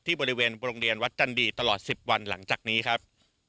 บริเวณโรงเรียนวัดจันดีตลอด๑๐วันหลังจากนี้ครับ